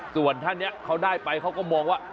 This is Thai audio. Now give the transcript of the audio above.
ส่วนท่านนี้เขาได้ไปเขาก็มองว่า